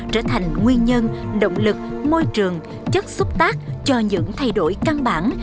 trở thành nguyên nhân động lực môi trường chất xúc tác cho những thay đổi căn bản